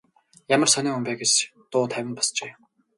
Ямар сонин хүн бэ гэж дуу тавин босжээ.